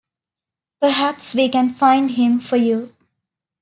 Perhaps we can find him for you.